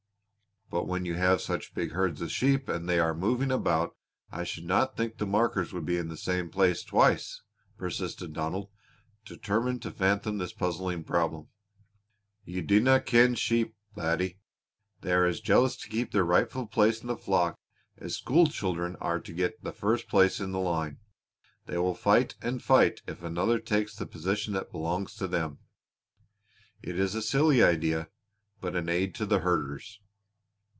"But when you have such big bands of sheep and they are moving about I should not think the markers would be in the same place twice," persisted Donald, determined to fathom this puzzling problem. "You dinna ken sheep, laddie! They are as jealous to keep their rightful place in the flock as school children are to get the first place in the line. They will fight and fight if another takes the position that belongs to them. It is a silly idea, but an aid to the herders."